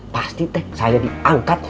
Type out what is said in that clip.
pasti teh saya diangkat